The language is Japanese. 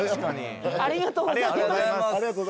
ありがとうございます。